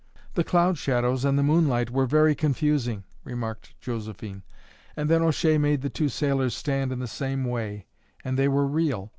"The cloud shadows and the moonlight were very confusing," remarked Josephine; "and then O'Shea made the two sailors stand in the same way, and they were real.